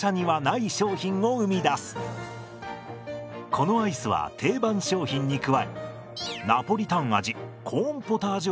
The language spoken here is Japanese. このアイスは定番商品に加えナポリタン味コーンポタージュ